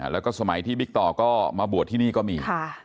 แล้วก็สมัยที่บิ๊กต่อก็มาบวชที่นี่ก็มี